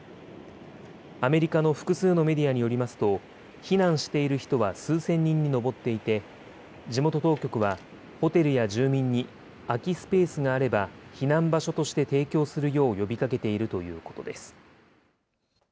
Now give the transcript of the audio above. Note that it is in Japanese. アメリカの複数のメディアによりますと、避難している人は数千人に上っていて、地元当局は、ホテルや住民に、空きスペースがあれば、避難場所として提供するよう呼びかけているということです。